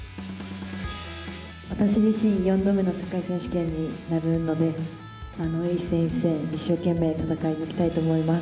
私自身、４度目の世界選手権になるので、一戦一戦、一生懸命戦い抜きたいと思います。